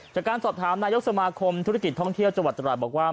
จากการสอบถามนายกสมาคมธุรกิจท่องเที่ยวจังหวัดตราดบอกว่า